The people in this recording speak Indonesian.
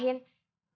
iya kayak gitu